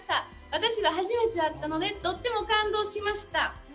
私も初めてだったので、とっても感動しました。